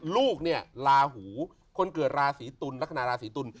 ลูกลาหูคนเกิดลาศรีตุลลักษณะลาศรีตุล